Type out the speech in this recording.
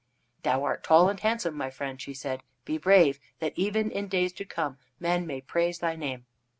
"Thou art tall and handsome, my friend," she said. "Be brave, that even in days to come men may praise thy name."